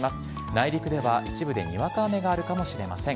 内陸では一部でにわか雨があるかもしれません。